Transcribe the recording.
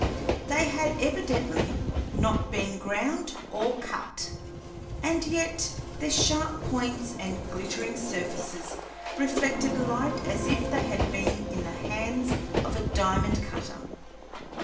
They had evidently not been ground or cut, and yet their sharp points and glittering surfaces reflected light as if they had been in the hands of a diamond cutter.